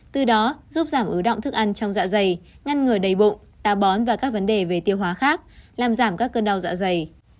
từ đó giúp giảm ứ động thức ăn trong dạ dày ngăn ngừa đầy bụng tà bón và các vấn đề về tiêu hóa khác làm giảm các cơn đau dạ dày